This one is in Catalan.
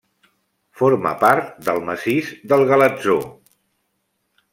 Forma part del massís del Galatzó.